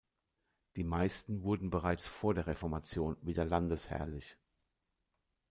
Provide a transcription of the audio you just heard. Die meisten wurden bereits vor der Reformation wieder landesherrlich.